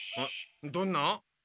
どんな？